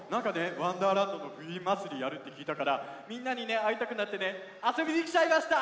「わんだーらんど」のふゆまつりやるってきいたからみんなにねあいたくなってねあそびにきちゃいました！